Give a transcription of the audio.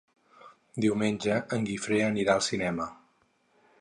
Diumenge en Guifré anirà al cinema.